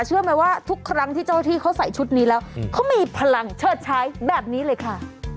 เชื่อไหมว่าทุกครั้งที่เจ้าที่เขาใส่ชุดนี้แล้วเขามีพลังเชิดใช้แบบนี้เลยค่ะ